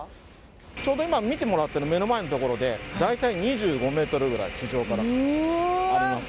ちょうど今見てもらってる目の前のところで大体２５ｍぐらい地上からあります。